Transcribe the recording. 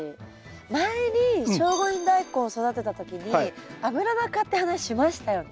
前に聖護院ダイコン育てた時にアブラナ科って話しましたよね。